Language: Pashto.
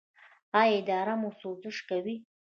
ایا ادرار مو سوزش کوي؟